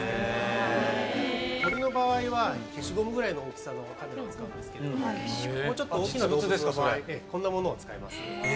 鳥の場合は消しゴムぐらいの大きさのカメラを使うんですけどもうちょっと大きな動物の場合こんなものを使います。